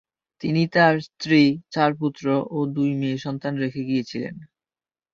তিনি তার স্ত্রী, চার পুত্র ও দুই মেয়ে সন্তান রেখে গিয়েছিলেন।